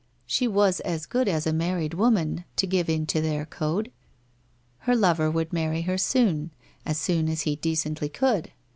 She was as good as a married woman, to give in to their code. Her lover would marry her soon, as soon as he decently could.